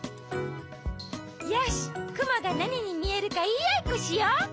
よしくもがなににみえるかいいあいっこしよう！